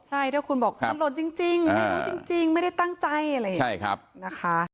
ใช่ถ้าคุณบอกตำรวจจริงไม่ได้ตั้งใจอะไรอย่างนี้